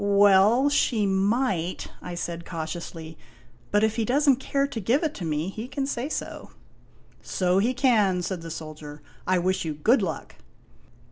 " Well, she might," I said, cautiously, " But if he does n't care to give it to me, he can say so." " So he can," said the soldier. " I wish you good luck."